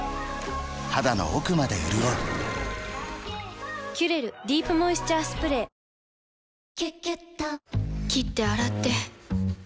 肌の奥まで潤う「キュレルディープモイスチャースプレー」ツイッターの時間です。